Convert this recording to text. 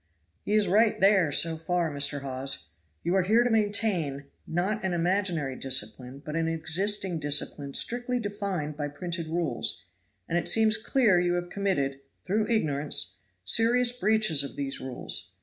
"He is right there so far, Mr. Hawes. You are here to maintain, not an imaginary discipline, but an existing discipline strictly defined by printed rules, and it seems clear you have committed (through ignorance) serious breaches of these rules.